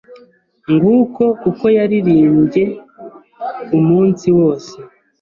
Nguko uko yaririmbye umunsi wose